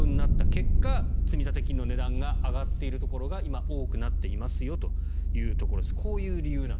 結果、積立金の値段が上がっているところが今、多くなっていますよというところです。